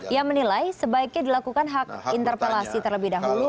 ia menilai sebaiknya dilakukan hak interpelasi terlebih dahulu